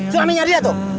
suaminya dia tuh